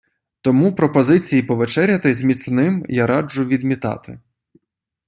Тому пропозиції повечеряти з міцним я раджу відмітати.